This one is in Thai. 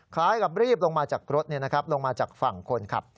คล้ายกับรีบลงมาจากรถลงมาจากฝั่งคนขับ